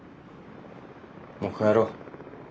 もう帰ろう。